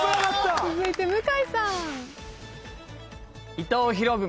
続いて向井さん。